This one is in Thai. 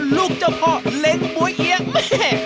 ลูกเจ้าพ่อเล้งปั๊วเอี๊ยงแม่